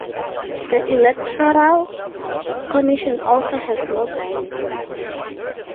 The Electoral Commision also has more guidance